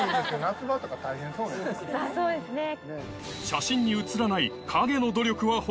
写真に写らない